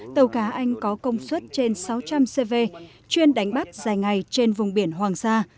tàu cá anh có công suất trên sáu trăm linh cv chuyên đánh bắt dài ngày trên vùng biển hoàng sa